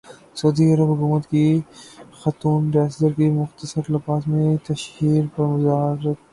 سعودی عرب حکومت کی خاتون ریسلر کی مختصر لباس میں تشہیر پر معذرت